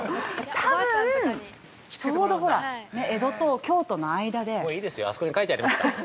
多分、ちょうどほら、江戸と京都の間で◆もういいですよ、あそこに書いてありますから。